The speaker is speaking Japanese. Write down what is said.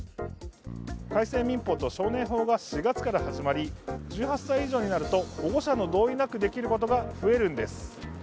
改正民法と少年法が４月から始まり１８歳以上になると保護者の同意なくできることが増えるんです。